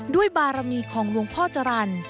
บารมีของหลวงพ่อจรรย์